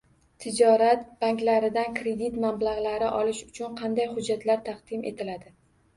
Tijorat banklaridan kredit mablag‘lari olish uchun qanday hujjatlar taqdim etiladi?